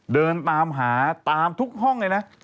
เดินตามหาตามทุกห้องเลยนะ